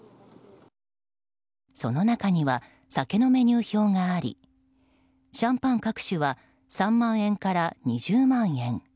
その中には酒のメニュー表がありシャンパン各種は３万円から２０万円。